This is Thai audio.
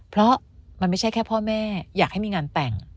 เพราะมันไม่ใช่แค่พ่อแม่อยากให้มีงานแต่ง